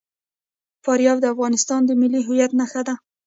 فاریاب د افغانستان د ملي هویت نښه ده.